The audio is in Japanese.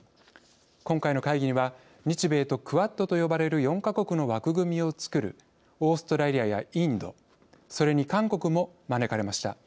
今回の会議には日米とクアッドと呼ばれる４か国の枠組みをつくるオーストラリアやインドそれに韓国も招かれました。